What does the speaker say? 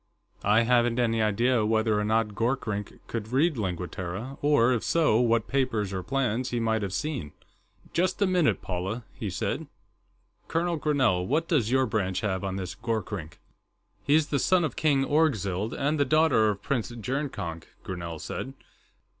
I haven't any idea whether or not Gorkrink could read Lingua Terra, or, if so, what papers or plans he might have seen." "Just a minute, Paula," he said. "Colonel Grinell, what does your branch have on this Gorkrink?" "He's the son of King Orgzild, and the daughter of Prince Jurnkonk," Grinell said.